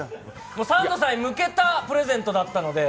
サンドさんへ向けたプレゼントだったので。